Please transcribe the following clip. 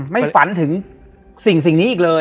ฝันถึงสิ่งนี้อีกเลย